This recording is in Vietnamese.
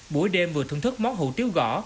buổi đêm vừa thưởng thức món hủ tiếu gõ